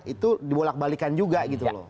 itu dibolak balikan juga gitu loh